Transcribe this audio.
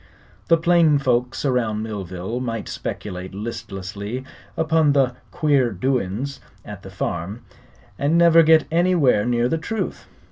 The plain folks around Millville might speculate listlessly upon the "queer doin's" at the farm, and never get anywhere near the truth.